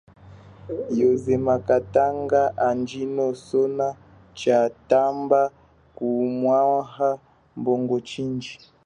Yoze makatanga ajino sona tshatamba kumwaha mbongo jindji.